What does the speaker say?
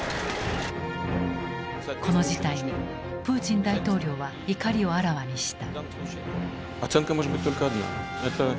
この事態にプーチン大統領は怒りをあらわにした。